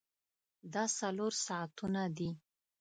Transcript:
دا څلور ساعتونه دي.